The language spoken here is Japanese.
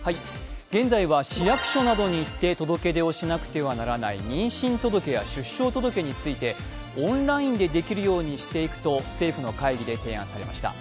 現在は市役所などに行って届け出をしなくてはならない、妊娠届や出生届についてオンラインでできるようにしていくと政府の会議で提案されました。